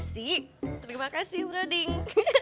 sik terima kasih broding